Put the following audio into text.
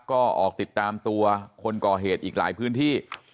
ก็ออกติดตามตัวคนก่อเหตุอีกหลายพื้นที่